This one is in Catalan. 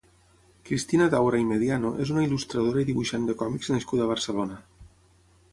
Cristina Daura i Mediano és una il·lustradora i dibuixant de còmics nascuda a Barcelona.